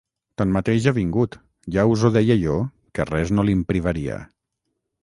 Tanmateix ha vingut: ja us ho deia jo que res no li'n privaria.